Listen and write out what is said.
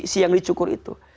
si yang dicukur itu